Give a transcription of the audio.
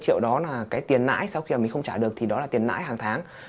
năm mươi triệu đó là cái tiền lãi sau khi mà mình không trả được thì đó là tiền lãi hàng tháng